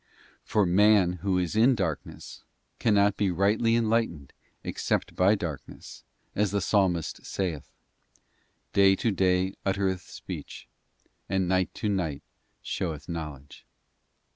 For man who is in darkness can not be rightly enlightened except by darkness, as the Psalm ist saith, 'Day to day uttereth speech, and night to night showeth knowledge.